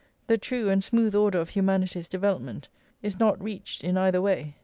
The true and smooth order of humanity's development is not reached in either way.